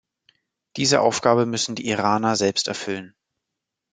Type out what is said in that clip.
Diese Aufgabe müssen die Iraner selbst erfüllen.